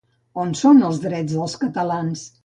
On són els drets dels catalans?